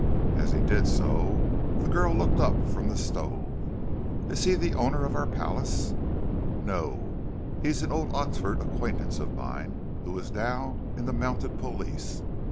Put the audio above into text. As he did so the girl looked up from the stove. "Is he the owner of our palace?" "No; he is an old Oxford acquaintance of mine, who is now in the Mounted Police."